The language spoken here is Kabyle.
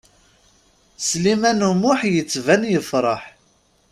Sliman U Muḥ yettban yefṛeḥ.